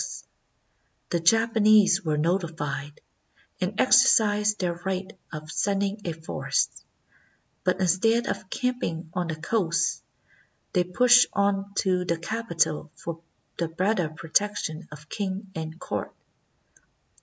236 WAR BETWEEN CHINA AND JAPAN The Japanese were notified, and exercised their right of sending a force; but instead of camping on the coast, they pushed on to the capital for the better protection of king and court.